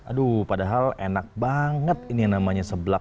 aduh padahal enak banget ini yang namanya seblak